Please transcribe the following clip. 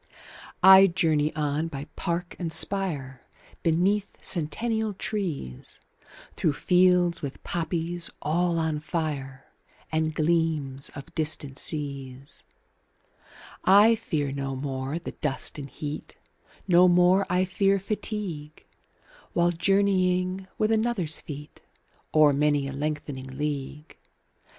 20 I journey on by park and spire, Beneath centennial trees, Through fields with poppies all on fire, And gleams of distant seas. I fear no more the dust and heat, 25 No more I fear fatigue, While journeying with another's feet O'er many a lengthening league.